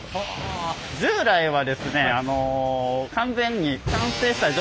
従来はですね